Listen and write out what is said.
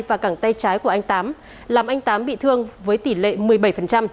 và cẳng tay trái của anh tám làm anh tám bị thương với tỷ lệ một mươi bảy